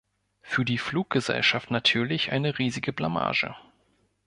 Für die Fluggesellschaft natürlich eine riesige Blamage.